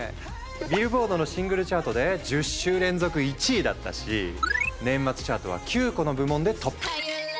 ビルボードのシングルチャートで１０週連続１位だったし年末チャートは９個の部門でトップ。